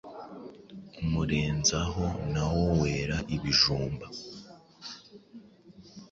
Umurenzaho nawo wera ibijumba